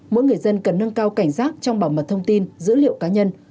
mỗi người dân cần nâng cao cảnh giác trong bảo mật thông tin dữ liệu cá nhân